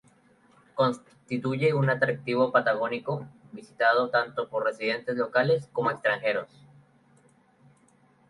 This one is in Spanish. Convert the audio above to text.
Constituye un atractivo patagónico visitado tanto por residentes locales como extranjeros.